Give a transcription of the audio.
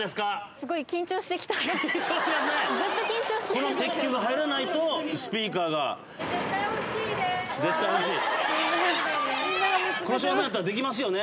この鉄球が入らないとスピーカーが絶対欲しい？